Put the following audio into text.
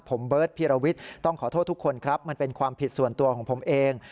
ผมเบิร์ตพีรวิทย์ต้องขอโทษทุกคนครับมันเป็นความผิดส่วนตัวของผมเอง